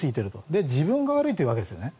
で、自分が悪いというわけですね。